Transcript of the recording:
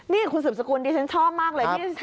นี่คุณสืบสกุลดิฉันชอบมากเลย